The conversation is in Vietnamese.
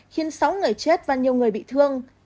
khiến sáu người chết và nhiều người bị thương